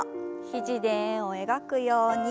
肘で円を描くように。